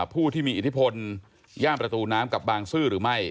ผู้ที่มีอิทธิพลย่านประตูน้ำกับบางซื่อหรือไม่